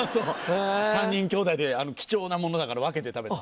３人きょうだいで貴重なものだから分けて食べた。